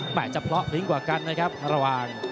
หมายจะเพราะเพลงกว่ากันนะครับระหว่าง